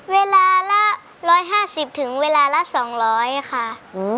เวลาละ๑๕๐ถึงเวลาละ๒๐๐ค่ะ